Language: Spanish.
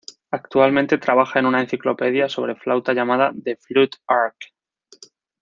Actualmente, trabaja en una enciclopedia sobre flauta llamada The Flute Ark.